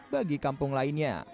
bagi kampung lainnya